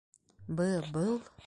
- Бы-был...